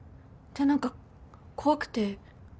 って何か怖くて。